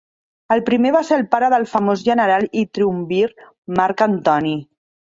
El primer va ser el pare del famós general i triumvir Marc Antoni.